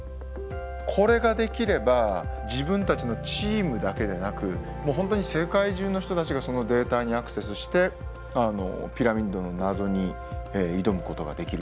これができれば自分たちのチームだけでなく本当に世界中の人たちがそのデータにアクセスしてピラミッドの謎に挑むことができる。